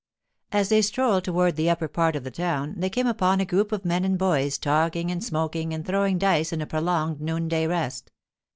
As they strolled toward the upper part of the town, they came upon a group of men and boys talking and smoking and throwing dice in a prolonged noonday rest.